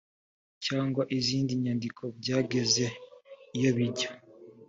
cyangwa izindi nyandiko byageze iyo bijya